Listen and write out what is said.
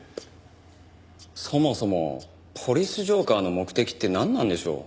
そもそも「ポリス浄化ぁ」の目的ってなんなんでしょう？